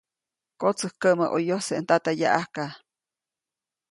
Kotsäjkäʼmä ʼo yojse ndata yaʼajka.